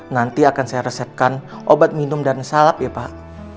nanti akan saya resepkan obat minum dan salap ya pak